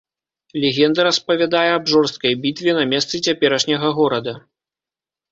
Легенда распавядае аб жорсткай бітве на месцы цяперашняга горада.